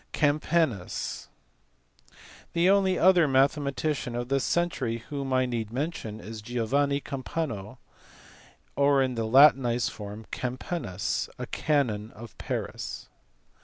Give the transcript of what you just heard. Campanus. The only other mathematician of this century whom I need mention is Giovanni Campano, or in the latinized form Campanus, a canon of Paris.